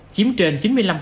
chiếm trên chín mươi năm